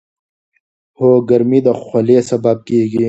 هو، ګرمي د خولې سبب کېږي.